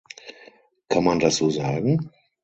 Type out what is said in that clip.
Kann man das so sagen?